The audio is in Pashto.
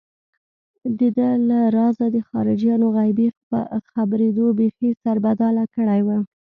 دده له رازه د خارجيانو غيبي خبرېدو بېخي سربداله کړی و.